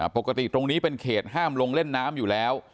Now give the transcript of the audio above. ปกติตรงนี้เป็นเขตห้ามลงเล่นน้ำอยู่แล้ว